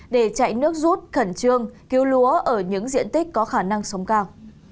để chạy nước rút khẩn trương cứu lúa ở những diện tích có khả năng sống cao